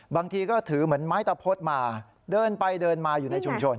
บางทีก็ถือเหมือนไม้ตะพดมาเดินไปเดินมาอยู่ในชุมชน